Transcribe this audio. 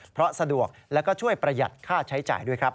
เพราะสะดวกแล้วก็ช่วยประหยัดค่าใช้จ่ายด้วยครับ